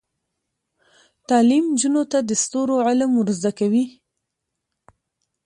تعلیم نجونو ته د ستورو علم ور زده کوي.